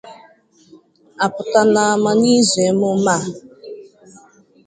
A pụta n’ama n’izu emume a